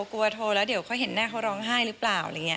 กลัวโทรแล้วเดี๋ยวเขาเห็นหน้าเขาร้องไห้หรือเปล่า